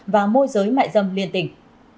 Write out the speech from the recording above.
và môi giới mại dâm liên tỉnh